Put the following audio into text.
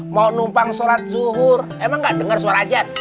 mau numpang sholat zuhur emang gak dengar suara azan